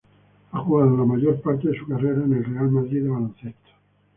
Ha jugado la mayor parte de su carrera en el Real Madrid de baloncesto.